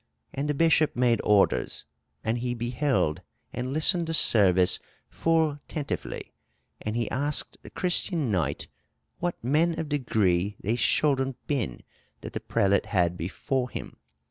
And the bishop made orders. And he beheld and listened the servyse fulle tentyfly: and he asked the Cristene knyght, what men of degree thei scholden ben, that the prelate had before him.